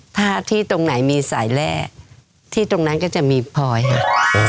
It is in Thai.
ถ้าที่ตรงไหนมีสายแร่ที่ตรงนั้นก็จะมีพลอยค่ะ